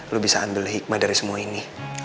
lo bisa ambil hikmah dari semua ini